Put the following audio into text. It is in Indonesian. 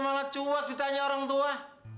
malah cuak ditanya orang tua